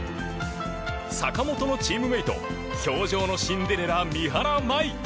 坂本のチームメート氷上のシンデレラ